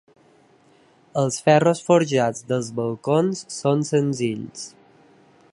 Els ferros forjats dels balcons són senzills.